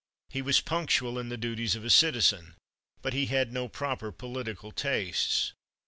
He was punctual in the duties of a citizen. But he had no proper political tastes.